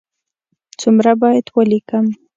څومره باید ولیکم؟